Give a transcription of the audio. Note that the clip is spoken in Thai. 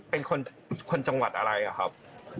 เป็นคนจังหวัดอะไรอะครับ